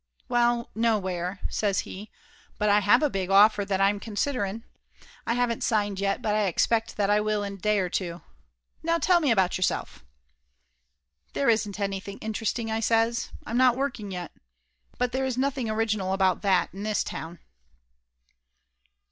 "Well, nowhere," says he. "But I have a big offer that I'm considering. I haven't signed yet, but I ex pect that I will in a day or two. Now tell me about yourself !" "There isn't anything interesting," I says. "I'm not working yet. But there is nothing original about that in this town."